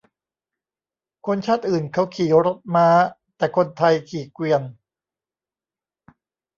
คนชาติอื่นเขาขี่รถม้า แต่คนไทยขี่เกวียน